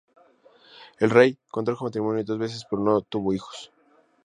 El rey contrajo matrimonio dos veces pero no tuvo hijos.